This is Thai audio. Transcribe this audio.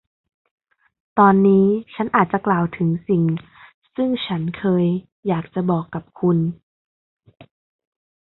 ตอนนี้ชั้นอาจจะกล่าวถึงสิ่งซึ่งฉันเคยอยากจะบอกกับคุณ